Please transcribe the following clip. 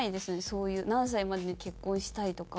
そういう何歳までに結婚したいとか。